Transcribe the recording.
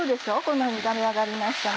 こんなふうに炒め上がりました。